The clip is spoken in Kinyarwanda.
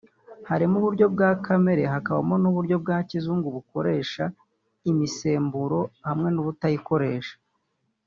harimo uburyo bwa kamere hakaba n'uburyo bwa kizungu bukoresha imisemburo hamwe n'ubutayikoresha